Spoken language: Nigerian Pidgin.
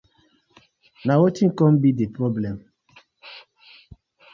Na wetin com bi di problem.